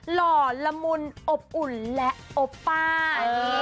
หล่อละมุนอบอุ่นและอบป้าย